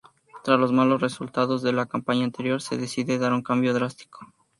Tras los malos resultados de la campaña anterior, se decide dar un cambio drástico.